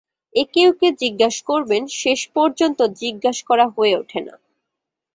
একে-ওকে জিজ্ঞেস করবেন-শেষ পর্যন্ত জিজ্ঞেস করা হয়ে ওঠে না।